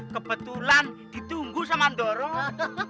kebetulan ditunggu sama dorong